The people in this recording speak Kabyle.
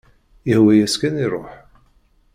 Ihwa-yas kan iruḥ.